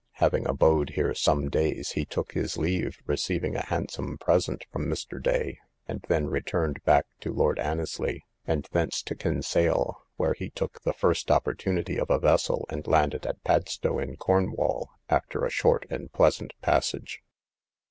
Having abode here some days, he took his leave, receiving a handsome present from Mr. Day; he then returned back to Lord Annesly, and thence to Kinsale, where he took the first opportunity of a vessel, and landed at Padstow, in Cornwall, after a short and pleasant passage.